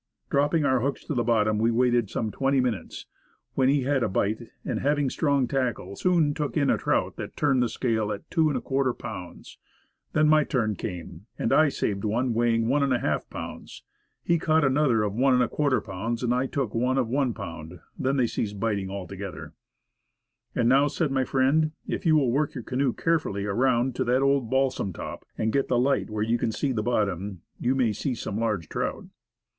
Dropping our hooks to the bottom, we waited some twenty minutes, when we had a bite, and, having strong tackle, soon took in a trout that turned the scale at 2% pounds. Then my turn came and I saved one weighing i} pounds. He caught another of 1% pounds, and I took one of 1 pound. Then they ceased biting altogether. "And now," said my friend, " if you will work your canoe carefully around to that old balsam top and get the light where you can see the bottom, you may see some large trout."